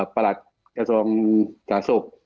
ประหลักกระทรวงศาสตร์สุข